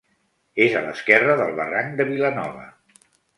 És a l'esquerra del barranc de Vilanova.